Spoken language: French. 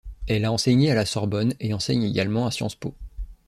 Elle a enseigné à la Sorbonne et enseigne également à SciencesPo.